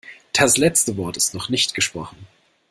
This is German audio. Das letzte Wort ist noch nicht gesprochen.